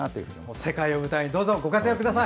世界を舞台にご活躍ください！